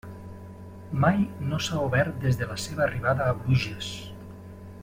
Mai no s'ha obert des de la seva arribada a Bruges.